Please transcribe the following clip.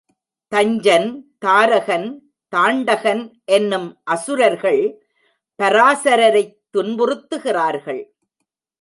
தஞ்சன், தாரகன், தாண்டகன் என்னும் அசுரர்கள் பராசரரைத் துன்புறுத்துகிறார்கள்.